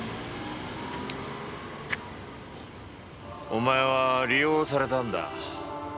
お前は利用されたんだ。